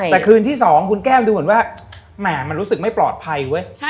แต่คืนที่๒คุณแก้วดูเหมือนว่าแหม่มันรู้สึกไม่ปลอดภัยเว้ย